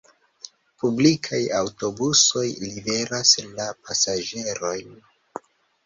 Publikaj aŭtobusoj liveras la pasaĝerojn.